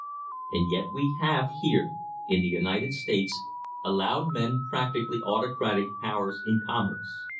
And yet we have here in the United States allowed men practically autocratic powers in commerce.